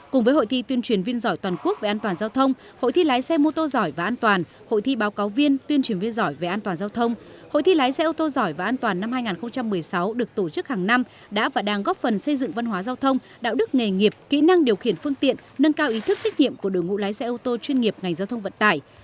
cùng với hội thi tuyên truyền viên giỏi toàn quốc về an toàn giao thông hội thi lái xe mô tô giỏi và an toàn hội thi báo cáo viên tuyên truyền viên giỏi về an toàn giao thông hội thi lái xe ô tô giỏi và an toàn năm hai nghìn một mươi sáu được tổ chức hàng năm đã và đang góp phần xây dựng văn hóa giao thông đạo đức nghề nghiệp kỹ năng điều khiển phương tiện nâng cao ý thức trách nhiệm của đội ngũ lái xe ô tô chuyên nghiệp ngành giao thông vận tải